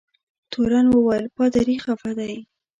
تورن وویل پادري خفه دی.